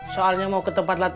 jangan jauh pake muda